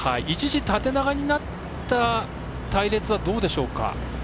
一時、縦長になった隊列はどうでしょうか。